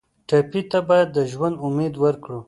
ټپي ته باید د ژوند امید ورکړو.